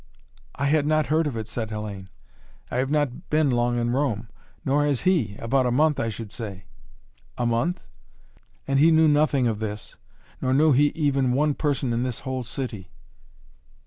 "I had not heard of it," said Hellayne. "I have not been long in Rome. Nor has he. About a month, I should say." "A month?" "And he knew nothing of this. Nor knew he even one person in this whole city."